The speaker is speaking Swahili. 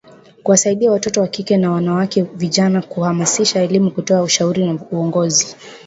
kuwasaidia watoto wa kike na wanawake vijana kuhamasisha elimu kutoa ushauri na uongozi